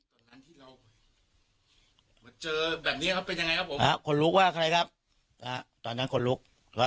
ตอนนั้นที่เรามาเจอแบบนี้ครับเป็นยังไงครับผมคนลุกว่าใครครับตอนนั้นคนลุก